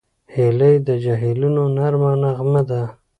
هیلۍ د جهیلونو نرمه نغمه ده